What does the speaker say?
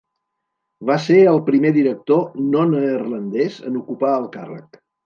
Va ser el primer director no neerlandès en ocupar el càrrec.